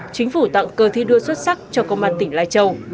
chính phủ tặng cơ thi đua xuất sắc cho công an tỉnh lai châu